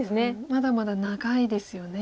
まだまだ長いですよね